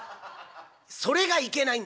「それがいけないんだよ」。